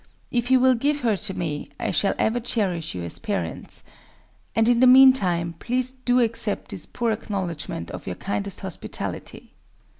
If you will give her to me, I shall ever cherish you as parents... And, in the meantime, please to accept this poor acknowledgment of your kindest hospitality."